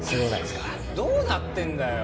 どうなってんだよ！